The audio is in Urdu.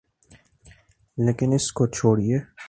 لیکن اس کو چھوڑئیے۔